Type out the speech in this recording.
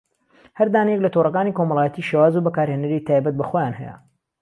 هەر دانەیەک لە تۆڕەکانی کۆمەڵایەتی شێواز و بەکارهێنەری تایبەت بەخۆیان هەیە